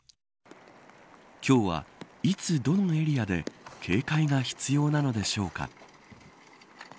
今日はいつ、どのエリアで警戒が必要なのでしょうか。